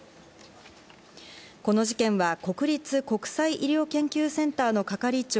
この事件は、国立国際医療研究センターの係長、